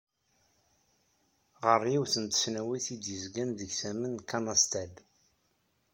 Ɣer yiwet n tesnawit i d-yezgan deg tama n Kanastel.